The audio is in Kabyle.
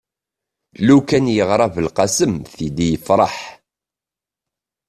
lukan yeɣra belqsem tili yefreḥ